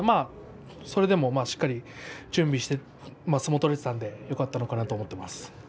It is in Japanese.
それでもしっかりと準備をして相撲が取れていたのでよかったなと思っています。